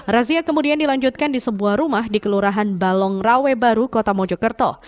razia kemudian dilanjutkan di sebuah rumah di kelurahan balong rawe baru kota mojokerto